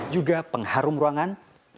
juga pengharum ruangan